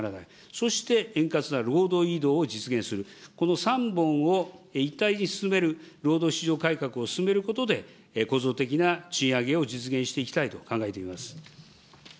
そして円滑な労働移動を実現する、この３本を一体に進める労働市場改革を進めることで、構造的な賃上げを実現していきたいと考えています。